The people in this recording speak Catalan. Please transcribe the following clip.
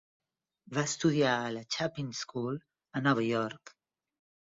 Va estudiar a la Chapin School, a Nova York.